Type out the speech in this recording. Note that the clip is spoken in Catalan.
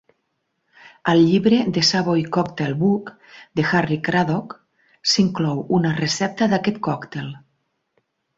Al llibre "The Savoy Cocktail Book" de Harry Craddock s'inclou una recepta d'aquest còctel.